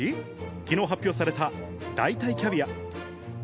昨日、発表された代替キャビア。